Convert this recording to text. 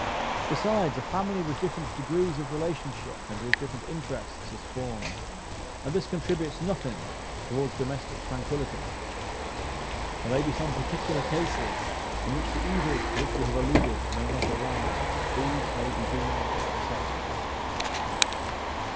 Besides, a family with different degrees of relationship and with different interests is formed, and this contributes nothing towards domestic tranquillity. There may be some particular cases in which the evils to which we have alluded may not arise; these may be deemed exceptions.